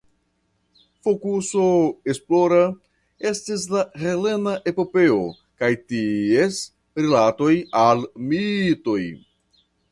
Fokuso esplora estis la helena epopeo kaj ties rilatoj al mitoj.